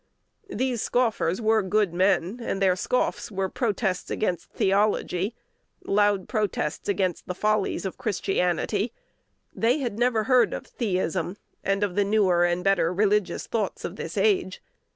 These scoffers were good men, and their scoffs were protests against theology, loud protests against the follies of Christianity: they had never heard of theism and the newer and better religious thoughts of this age.